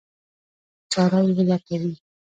چاره یې ولټوي.